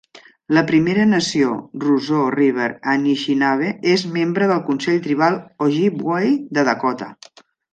La primera nació Roseau River Anishinabe és membre del Consell Tribal Ojibway de Dakota.